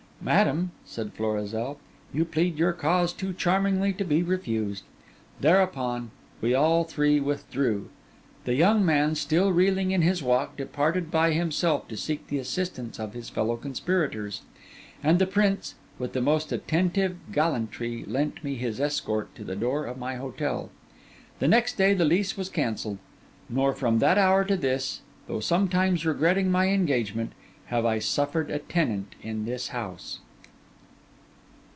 'Madam,' said Florizel, 'you plead your cause too charmingly to be refused.' Thereupon we all three withdrew. The young man, still reeling in his walk, departed by himself to seek the assistance of his fellow conspirators; and the prince, with the most attentive gallantry, lent me his escort to the door of my hotel. The next day, the lease was cancelled; nor from that hour to this, though sometimes regretting my engagement, have I suffered a tenant in this house.